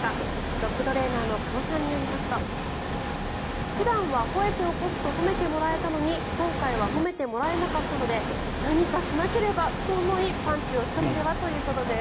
ドッグトレーナーの鹿野さんによりますと普段はほえて起こすと褒めてもらえたのに今回は褒めてもらえなかったので何かしなければと思いパンチをしたのではということです。